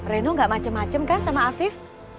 reno gak macem macem kan sama afif